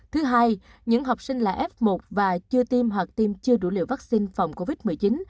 thứ hai những học sinh là f một và chưa tiêm hoặc tiêm chưa đủ liều vaccine phòng covid một mươi chín